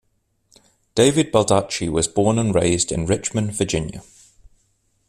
David Baldacci was born and raised in Richmond, Virginia.